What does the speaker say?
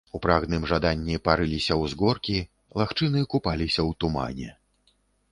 У прагным жаданні парыліся ўзгоркі, лагчыны купаліся ў тумане.